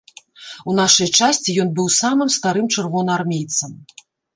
У нашай часці ён быў самым старым чырвонаармейцам.